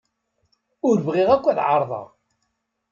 Ur bɣiɣ akk ad ɛerḍeɣ.